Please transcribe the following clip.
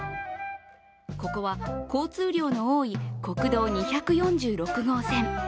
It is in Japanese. ここは交通量の多い国道２４６号線。